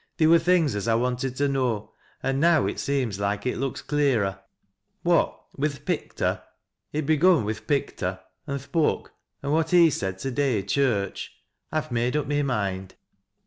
Theer wur things as I wanted to know, an' now it seems loike it looks clearer. AVha( wi' th' pictur',— it begun wi' th' pictur', — an' th' b(X)k, an' what he said to day i' church, I've made up mj moind."